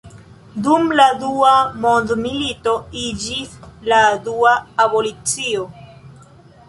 Dum la Dua mondmilito iĝis la dua abolicio.